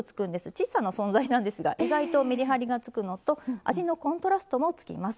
小さな存在なんですが意外とめりはりがつくのと味のコントラストもつきます。